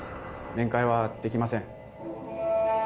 面会はできません